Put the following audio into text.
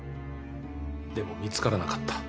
でも見つからなかった。